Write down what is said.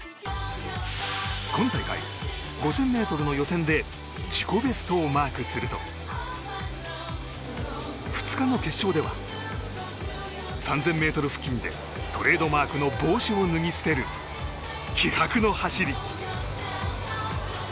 今大会、５０００ｍの予選で自己ベストをマークすると２日の決勝では３０００ｍ付近でトレードマークの帽子を脱ぎ捨てる気迫の走り。